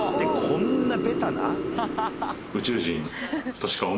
こんなベタな？